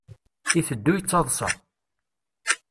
Iteddu yettaḍsa.